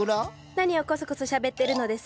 何をコソコソしゃべってるのです？